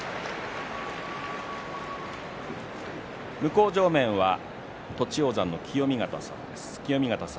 向正面は栃煌山の清見潟さんです。